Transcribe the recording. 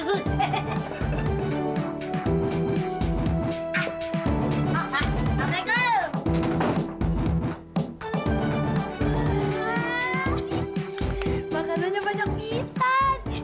makanannya banyak pitan